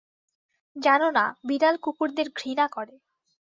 জানোনা, বিড়াল কুকুরদের ঘৃণা করে।